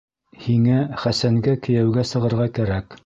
Һиңә Хәсәнгә кейәүгә сығырға кәрәк.